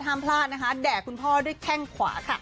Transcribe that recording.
ห้ามพลาดนะคะแด่คุณพ่อด้วยแข้งขวาค่ะ